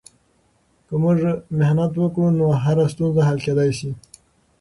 که موږ محنت وکړو، نو هره ستونزه حل کیدای سي.